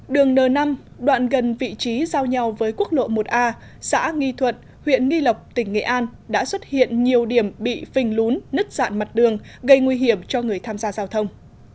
đường n năm đoạn gần vị trí giao nhau với quốc lộ một a xã nghi thuận huyện nghi lộc tỉnh nghệ an đã xuất hiện nhiều điểm bị phình lún nứt dạn mặt đường gây nguy hiểm cho người tham gia giao thông